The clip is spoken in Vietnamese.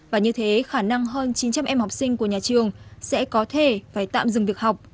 và như thế khả năng hơn chín trăm linh em học sinh của nhà trường sẽ có thể phải tạm dừng việc học